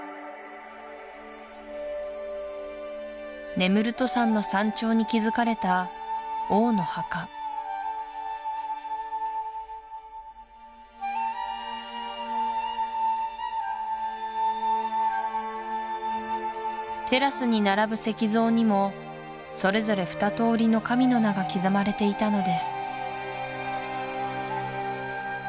ネムルト山の山頂に築かれた王の墓テラスに並ぶ石像にもそれぞれふたとおりの神の名が刻まれていたのです